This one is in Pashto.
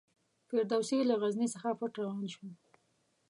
فردوسي له غزني څخه پټ روان شو.